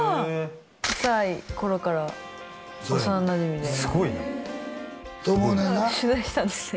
小さい頃から幼なじみですごいな智音な取材したんですね